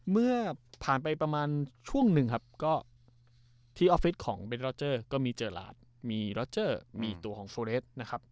เมื่อผ่านไปประมาณช่วงหนึ่งที่ออฟฟิศของเป็นล็อเจอร์ก็มีเจอร์หลาดมีล็อเจอร์มีตัวของโซเลส